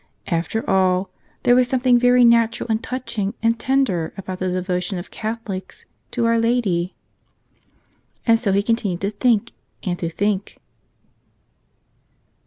After all, there was something very natural, and touching, and tender, about the devotion of Catholics to Our Lady. And so he continued to think and to think